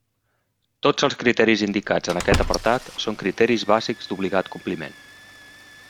Tots els criteris indicats en aquest apartat són criteris bàsics d'obligat compliment.